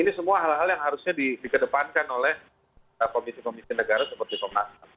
ini semua hal hal yang harusnya dikedepankan oleh komisi komisi negara seperti komnas ham